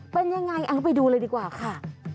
เป็นยังไงเอาไปดูเลยดีกว่าค่ะ